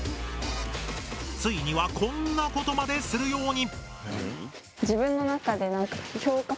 ついにはこんなことまでするように！